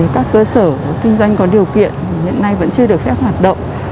các cơ sở kinh doanh có điều kiện hiện nay vẫn chưa được phép hoạt động